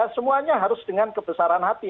semuanya harus dengan kebesaran hati